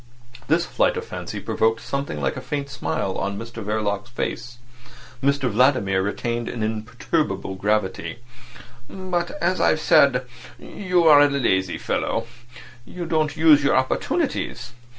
This flight of fancy provoked something like a faint smile on Mr Verloc's face. Mr Vladimir retained an imperturbable gravity. "But, as I've said, you are a lazy fellow; you don't use your opportunities.